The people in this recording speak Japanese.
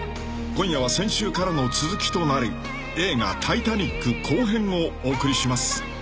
［今夜は先週からの続きとなる映画『タイタニック』後編をお送りします］